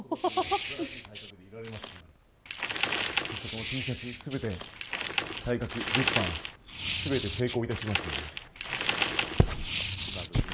そしてこのＴシャツすべて、体格物販、すべて成功いたしますように。